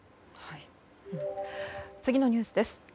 次のニュースです。